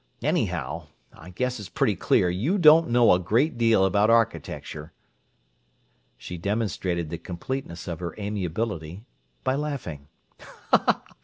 Anyhow, I guess it's pretty clear you don't know a great deal about architecture." She demonstrated the completeness of her amiability by laughing.